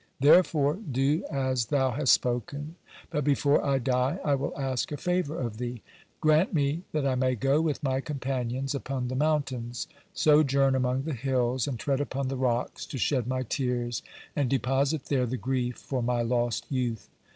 Therefore, do as thou hast spoken. But before I die I will ask a favor of thee. Grant me that I may go with my companions upon the mountains, sojourn among the hills, and tread upon the rocks to shed my tears and deposit there the grief for my lost youth.